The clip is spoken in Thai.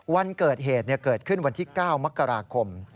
วันเกิดเหตุเกิดขึ้นวันที่๙มกราคม